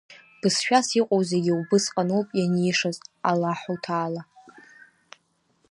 Бызшәас иҟоу зегьы убысҟаноуп ианишаз Аллаҳуҭаала.